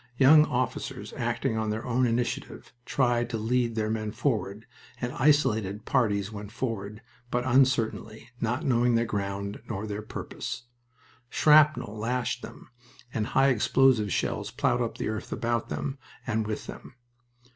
Young officers acting on their own initiative tried to lead their men forward, and isolated parties went forward, but uncertainly, not knowing the ground nor their purpose. Shrapnel lashed them, and high explosive shells plowed up the earth about them and with them.